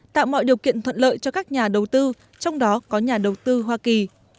tạo mọi điều kiện thuận lợi cho các nhà đầu tư trong đó có nhà đầu tư hoa kỳ